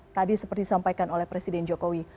tadi seperti disampaikan oleh presiden jokowi